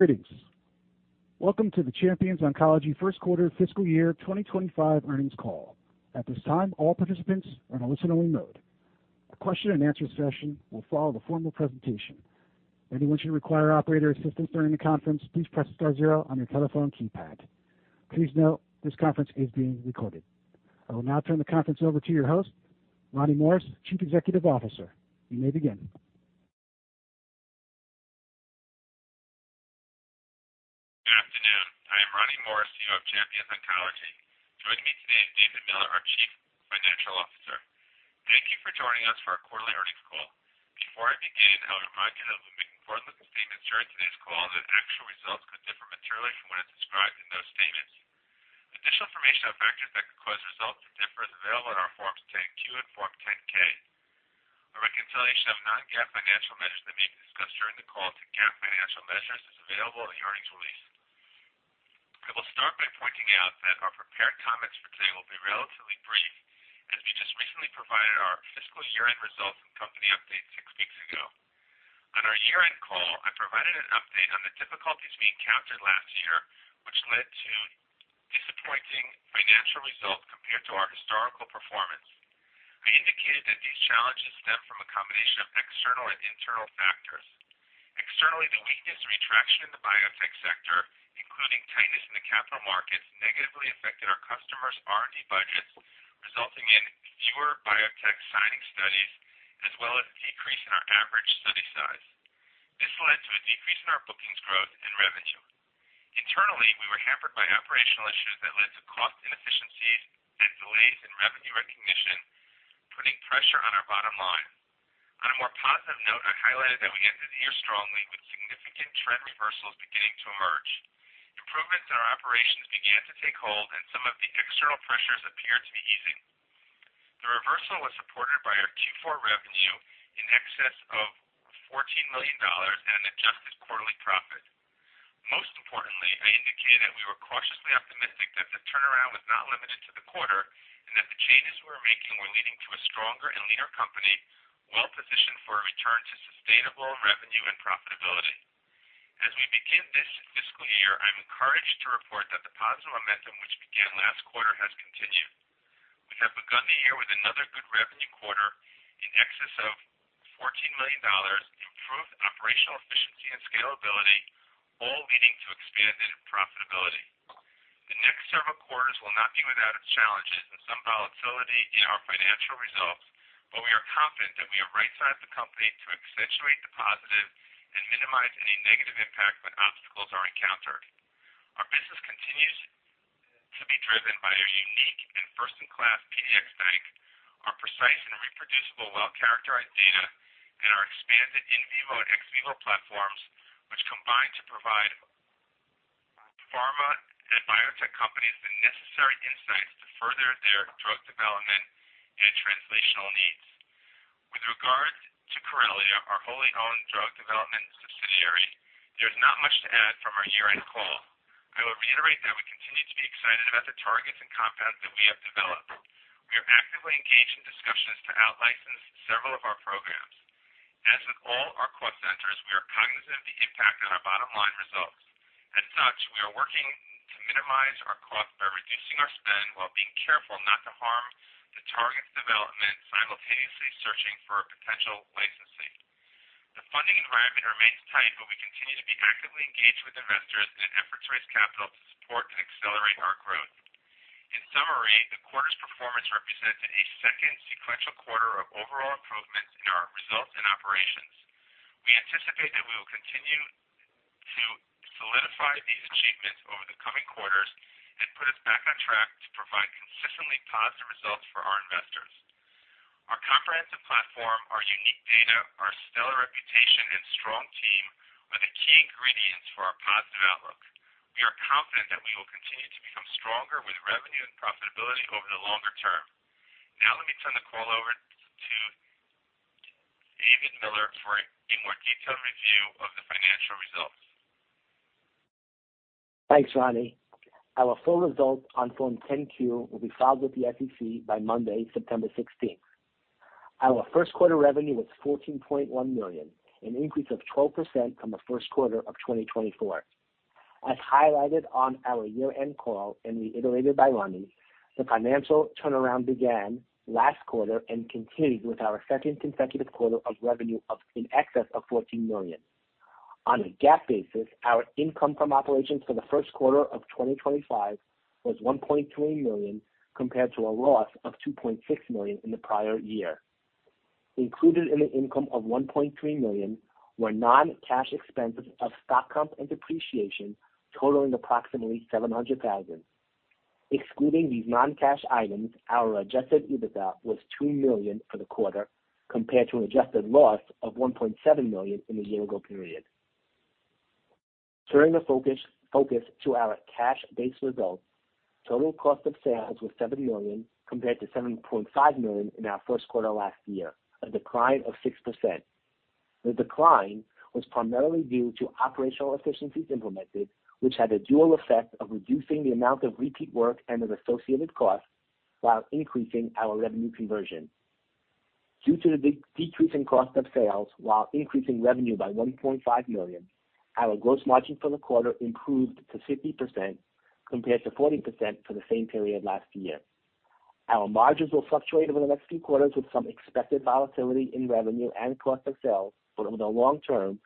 Greetings. Welcome to the Champions Oncology first quarter fiscal year 2025 earnings call. At this time, all participants are in a listen-only mode. A question-and-answer session will follow the formal presentation. Anyone should require operator assistance during the conference, please press star zero on your telephone keypad. Please note, this conference is being recorded. I will now turn the conference over to your host, Ronnie Morris, Chief Executive Officer. You may begin. Good afternoon. I am Ronnie Morris, CEO of Champions Oncology. Joining me today is David Miller, our Chief Financial Officer. Thank you for joining us for our quarterly earnings call. Before I begin, I would remind you that we'll be making forward-looking statements during today's call, and that actual results could differ materially from what is described in those statements. Additional information on factors that could cause results to differ is available in our Form 10-Q and Form 10-K. A reconciliation of non-GAAP financial measures that may be discussed during the call to GAAP financial measures is available in the earnings release. I will start by pointing out that our prepared comments for today will be relatively brief, as we just recently provided our fiscal year-end results and company update six weeks ago. On our year-end call, I provided an update on the difficulties we encountered last year, which led to disappointing financial results compared to our historical performance. I indicated that these challenges stemmed from a combination of external and internal factors. Externally, the weakness and retraction in the biotech sector, including tightness in the capital markets, negatively affected our customers' R&D budgets, resulting in fewer biotech signing studies, as well as a decrease in our average study size. This led to a decrease in our bookings growth and revenue. Internally, we were hampered by operational issues that led to cost inefficiencies and delays in revenue recognition, putting pressure on our bottom line. On a more positive note, I highlighted that we ended the year strongly, with significant trend reversals beginning to emerge. Improvements in our operations began to take hold and some of the external pressures appeared to be easing. The reversal was supported by our Q4 revenue in excess of $14 million and an adjusted quarterly profit. Most importantly, I indicated we were cautiously optimistic that the turnaround was not limited to the quarter and that the changes we were making were leading to a stronger and leaner company, well-positioned for a return to sustainable revenue and profitability. As we begin this fiscal year, I'm encouraged to report that the positive momentum, which began last quarter, has continued. We have begun the year with another good revenue quarter in excess of $14 million, improved operational efficiency and scalability, all leading to expanded profitability. The next several quarters will not be without its challenges and some volatility in our financial results, but we are confident that we have right-sized the company to accentuate the positive and minimize any negative impact when obstacles are encountered. Our business continues to be driven by a unique and first-in-class PDX bank, our precise and reproducible, well-characterized data, and our expanded in vivo and ex vivo platforms, which combine to provide pharma and biotech companies the necessary insights to further their drug development and translational needs. With regard to Corellia, our wholly owned drug development subsidiary, there's not much to add from our year-end call. I will reiterate that we continue to be excited about the targets and compounds that we have developed. We are actively engaged in discussions to outlicense several of our programs. As with all our cost centers, we are cognizant of the impact on our bottom-line results. As such, we are working to minimize our cost by reducing our spend while being careful not to harm the targets' development, simultaneously searching for potential licensing. The funding environment remains tight, but we continue to be actively engaged with investors in an effort to raise capital to support and accelerate our growth. In summary, the quarter's performance represents a second sequential quarter of overall improvements in our results and operations. We anticipate that we will continue to solidify these achievements over the coming quarters and put us back on track to provide consistently positive results for our investors. Our comprehensive platform, our unique data, our stellar reputation, and strong team are the key ingredients for our positive outlook. We are confident that we will continue to become stronger with revenue and profitability over the longer term. Now, let me turn the call over to David Miller for a more detailed review of the financial results. Thanks, Ronnie. Our full results on Form 10-Q will be filed with the SEC by Monday, September 16th. Our first quarter revenue was $14.1 million, an increase of 12% from the first quarter of 2024. As highlighted on our year-end call and reiterated by Ronnie, the financial turnaround began last quarter and continued with our second consecutive quarter of revenue in excess of $14 million. On a GAAP basis, our income from operations for the first quarter of 2025 was $1.2 million, compared to a loss of $2.6 million in the prior year. Included in the income of $1.3 million were non-cash expenses of stock comp and depreciation, totaling approximately $700,000. Excluding these non-cash items, our adjusted EBITDA was $2 million for the quarter, compared to an adjusted loss of $1.7 million in the year-ago period. Turning the focus to our cash-based results, total cost of sales was $7 million, compared to $7.5 million in our first quarter last year, a decline of 6%. The decline was primarily due to operational efficiencies implemented, which had a dual effect of reducing the amount of repeat work and its associated costs while increasing our revenue conversion. Due to the decrease in cost of sales while increasing revenue by $1.5 million, our gross margin for the quarter improved to 50% compared to 40% for the same period last year. Our margins will fluctuate over the next few quarters, with some expected volatility in revenue and cost of sales. But over the long term,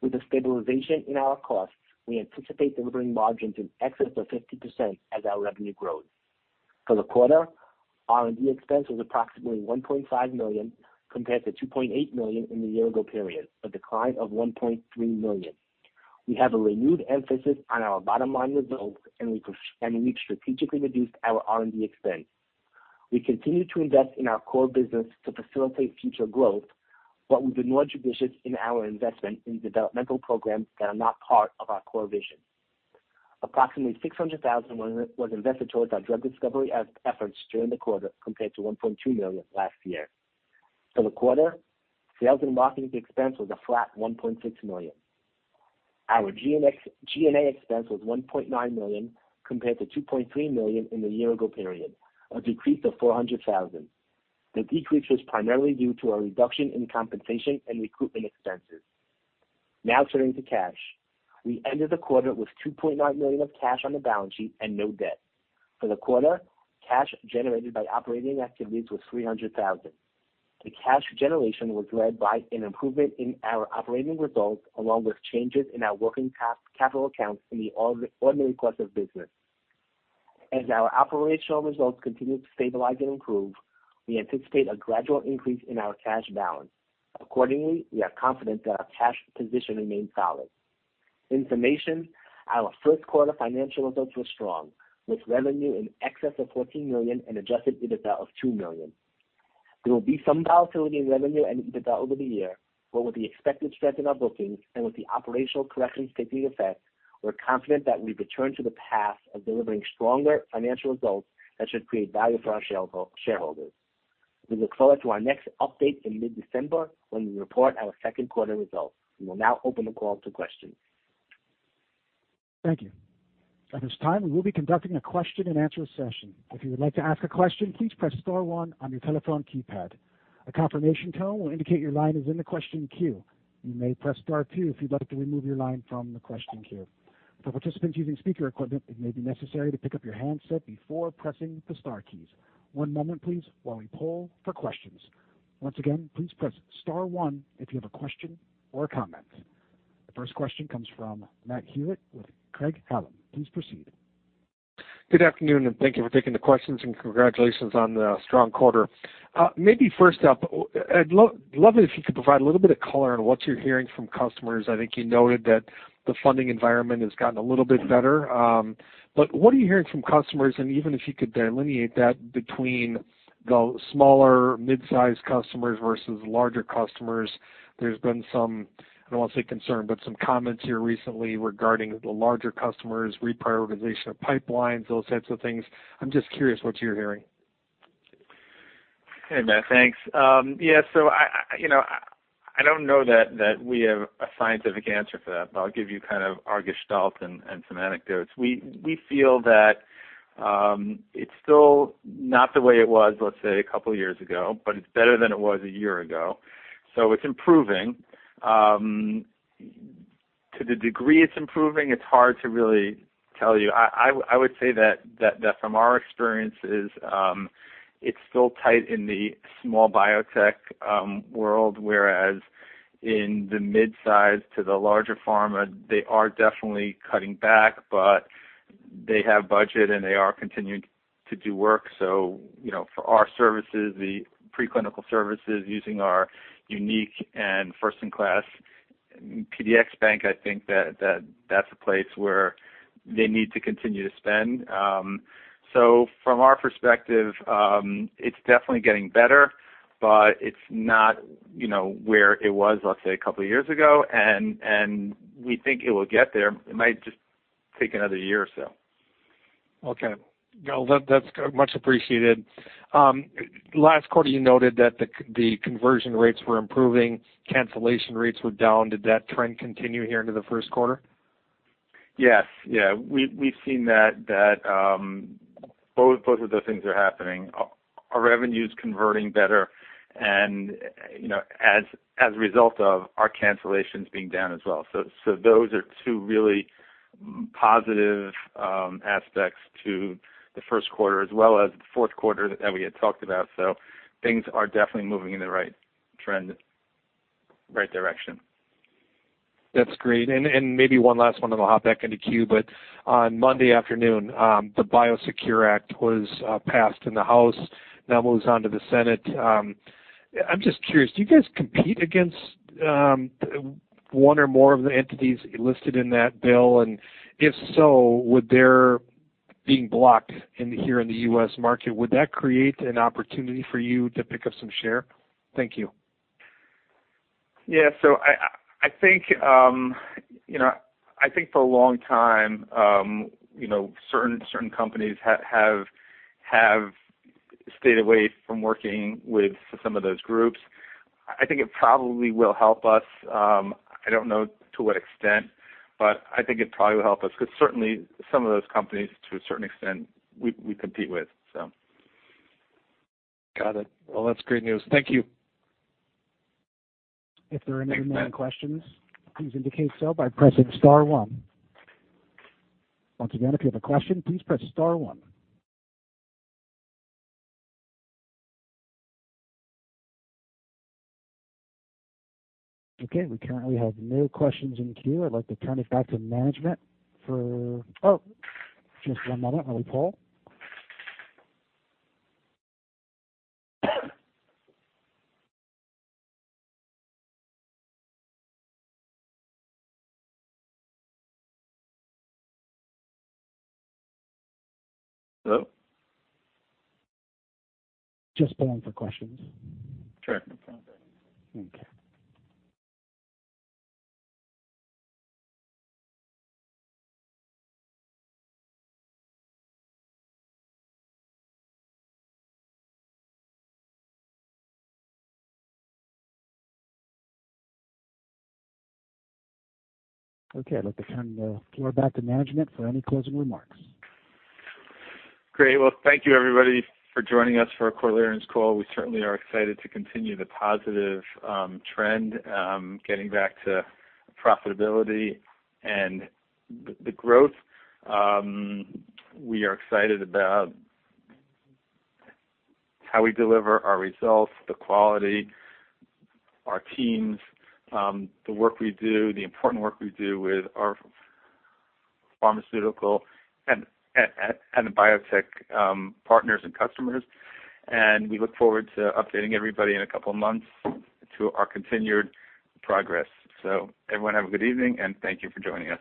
with a stabilization in our costs, we anticipate delivering margins in excess of 50% as our revenue grows. For the quarter, R&D expense was approximately $1.5 million compared to $2.8 million in the year ago period, a decline of $1.3 million. We have a renewed emphasis on our bottom line results, and we've strategically reduced our R&D expense. We continue to invest in our core business to facilitate future growth, but we've been more judicious in our investment in developmental programs that are not part of our core vision. Approximately $600,000 was invested towards our drug discovery efforts during the quarter, compared to $1.2 million last year. For the quarter, sales and marketing expense was a flat $1.6 million. Our G&A expense was $1.9 million, compared to $2.3 million in the year ago period, a decrease of $400,000. The decrease was primarily due to a reduction in compensation and recruitment expenses. Now turning to cash. We ended the quarter with $2.9 million of cash on the balance sheet and no debt. For the quarter, cash generated by operating activities was $300,000. The cash generation was led by an improvement in our operating results, along with changes in our working capital accounts in the ordinary course of business. As our operational results continue to stabilize and improve, we anticipate a gradual increase in our cash balance. Accordingly, we are confident that our cash position remains solid. In summation, our first quarter financial results were strong, with revenue in excess of $14 million and adjusted EBITDA of $2 million. There will be some volatility in revenue and EBITDA over the year, but with the expected strength in our bookings and with the operational corrections taking effect, we're confident that we've returned to the path of delivering stronger financial results that should create value for our shareholders. We look forward to our next update in mid-December, when we report our second quarter results. We will now open the call to questions. Thank you. At this time, we will be conducting a question-and-answer session. If you would like to ask a question, please press star one on your telephone keypad. A confirmation tone will indicate your line is in the question queue. You may press star two if you'd like to remove your line from the question queue. For participants using speaker equipment, it may be necessary to pick up your handset before pressing the star keys. One moment, please, while we poll for questions. Once again, please press star one if you have a question or a comment. The first question comes from Matt Hewitt with Craig-Hallum. Please proceed. Good afternoon, and thank you for taking the questions, and congratulations on the strong quarter. Maybe first up, I'd love it if you could provide a little bit of color on what you're hearing from customers. I think you noted that the funding environment has gotten a little bit better, but what are you hearing from customers? And even if you could delineate that between the smaller mid-sized customers versus larger customers, there's been some, I don't want to say concern, but some comments here recently regarding the larger customers, reprioritization of pipelines, those types of things. I'm just curious what you're hearing. Hey, Matt, thanks. Yeah, so I you know don't know that we have a scientific answer for that, but I'll give you kind of our gestalt and some anecdotes. We feel that it's still not the way it was, let's say, a couple of years ago, but it's better than it was a year ago, so it's improving. To the degree it's improving, it's hard to really tell you. I would say that from our experiences, it's still tight in the small biotech world, whereas in the mid-size to the larger pharma, they are definitely cutting back, but they have budget, and they are continuing to do work. You know, for our services, the preclinical services, using our unique and first-in-class PDX bank, I think that's a place where they need to continue to spend. From our perspective, it's definitely getting better, but it's not, you know, where it was, let's say, a couple of years ago. We think it will get there. It might just take another year or so. Okay. Well, that, that's much appreciated. Last quarter, you noted that the conversion rates were improving, cancellation rates were down. Did that trend continue here into the first quarter? Yes. Yeah, we've seen that both of those things are happening. Our revenue's converting better and, you know, as a result of our cancellations being down as well. Those are two really positive aspects to the first quarter as well as the fourth quarter that we had talked about, so things are definitely moving in the right direction. That's great. And maybe one last one, then I'll hop back in the queue. But on Monday afternoon, the Biosecure Act was passed in the House, now moves on to the Senate. I'm just curious, do you guys compete against one or more of the entities listed in that bill? And if so, would their being blocked here in the U.S. market, would that create an opportunity for you to pick up some share? Thank you. Yeah, so I think, you know, I think for a long time, you know, certain companies have stayed away from working with some of those groups. I think it probably will help us. I don't know to what extent, but I think it probably will help us, 'cause certainly some of those companies, to a certain extent, we compete with, so. Got it. Well, that's great news. Thank you. If there are any more questions, please indicate so by pressing star one. Once again, if you have a question, please press star one. Okay, we currently have no questions in queue. I'd like to turn it back to management for. Oh, just one moment while we poll. Hello? Just holding for questions. Sure. Okay. Okay, I'd like to turn the floor back to management for any closing remarks. Great. Well, thank you, everybody, for joining us for our quarterly earnings call. We certainly are excited to continue the positive trend getting back to profitability and the growth. We are excited about how we deliver our results, the quality, our teams, the work we do, the important work we do with our pharmaceutical and the biotech partners and customers. And we look forward to updating everybody in a couple of months to our continued progress. So everyone have a good evening, and thank you for joining us.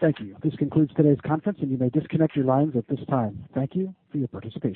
Thank you. This concludes today's conference, and you may disconnect your lines at this time. Thank you for your participation.